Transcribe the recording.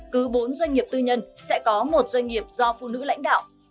cứ bốn doanh nghiệp tư nhân sẽ có một doanh nghiệp do phụ nữ lãnh đạo